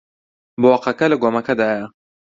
بۆقەکە لە گۆمەکەدایە.